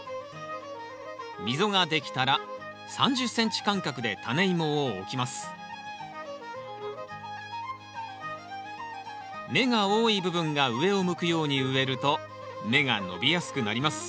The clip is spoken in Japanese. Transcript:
溝が出来たら３０ｃｍ間隔でタネイモを置きます芽が多い部分が上を向くように植えると芽が伸びやすくなります